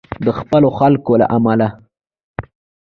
د خپلو خلکو له امله.